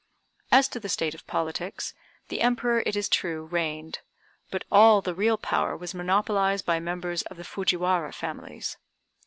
As to the state of politics, the Emperor, it is true, reigned; but all the real power was monopolized by members of the Fujiwara families.